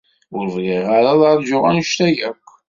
Ur bɣiɣ ara ad ṛjuɣ anect-a akk.